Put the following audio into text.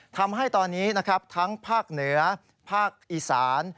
ทำให้ตอนนี้นะครับทั้งภาคเหนือภาคอีสาน